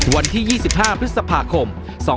วันที่๒๕พฤษภาคม๒๕๖